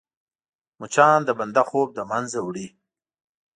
مچان د بنده خوب له منځه وړي